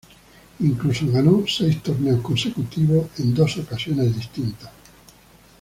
Incluso ganó seis torneos consecutivos en dos ocasiones distintas.